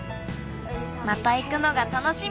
またいくのがたのしみ！